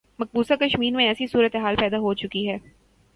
مقبوضہ کشمیر میں ایسی صورتحال پیدا ہو چکی ہے۔